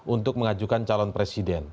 untuk mengajukan calon presiden